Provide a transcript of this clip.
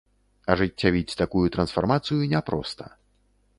Ажыццявіць такую трансфармацыю няпроста.